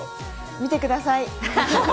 見てください。